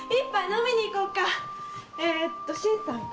えっと新さんか？